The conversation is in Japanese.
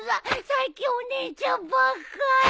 最近お姉ちゃんばっかり。